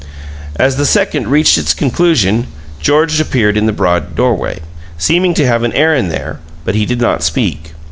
As the second reached its conclusion, George appeared in the broad doorway, seeming to have an errand there, but he did not speak.